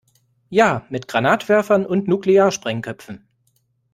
Ja, mit Granatwerfern und Nuklearsprengköpfen.